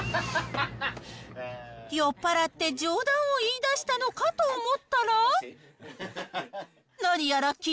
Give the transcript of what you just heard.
酔っぱらって冗談を言いだしたのかと思ったら。